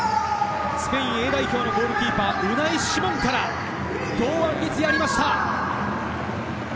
スペインＡ代表のゴールキーパー、ウナイ・シモンから堂安律、やりました。